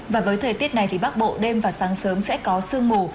và với thời tiết này thì bắc bộ đêm và sáng sớm sẽ có sương mù